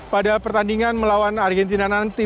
pada pertandingan melawan argentina nanti